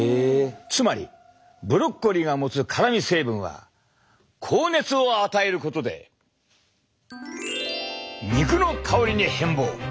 つまりブロッコリーが持つ辛み成分は高熱を与えることで肉の香りに変貌！